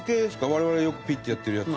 我々よくピッてやってるやつ。